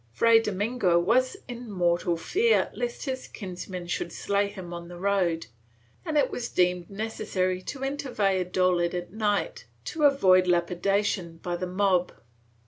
Fray Domingo was in mortal fear lest his kinsmen should slay him on the road, and it was deemed necessary to enter Valladolid at night to avoid lapidation by the mob.